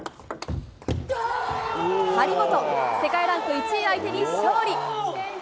張本、世界ランク１位相手に勝利。